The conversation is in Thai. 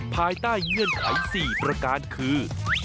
ภายใต้เงื่อนไข๔ประการคือ